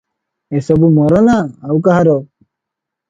ଏସବୁ ମୋର ନା ଆଉ କାହାର?